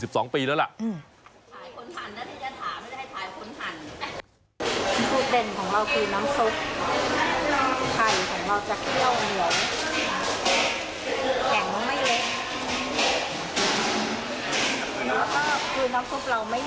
สูตรเด่นของเรากี๊น้ำซุปไข่ของเราจะเคี่ยวเหนียวแข่งแล้วไม่เล็ก